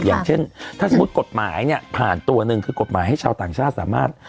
อย่างเช่นถ้าสมมุติกฎหมายเนี่ยผ่านตัวหนึ่งคือกฎหมายให้ชาวต่างชาติสามารถ